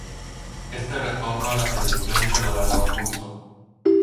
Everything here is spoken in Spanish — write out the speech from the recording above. Este retorno a la televisión se lo ganó a pulso.